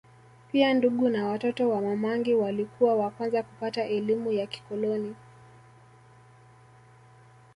Pia ndugu na watoto wa Mamangi walikuwa wa kwanza kupata elimu ya kikoloni